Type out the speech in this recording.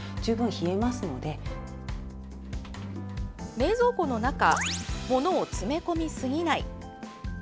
冷蔵庫の中物を詰め込みすぎない。